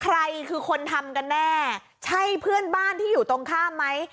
ใครคือคนทำกันแน่ใช่เพื่อนบ้านที่อยู่ตรงข้ามไหม